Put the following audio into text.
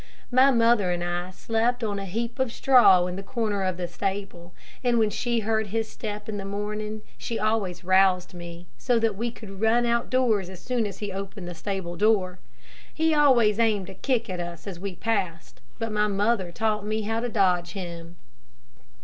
My mother and I slept on a heap of straw in the corner of the stable, and when she heard his step in the morning she always roused me, so that we could run out doors as soon as he opened the stable door. He always aimed a kick at us as we passed, but my mother taught me how to dodge him.